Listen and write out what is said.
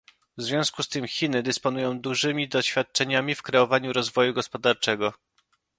W związku z tym Chiny dysponują dużymi doświadczeniami w kreowaniu rozwoju gospodarczego